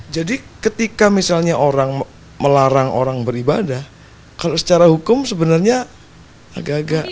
jadi ketika misalnya orang melarang orang beribadah kalau secara hukum sebenarnya agak agak